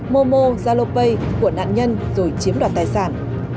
momo zalopay của nạn nhân rồi chiếm đoạt tài sản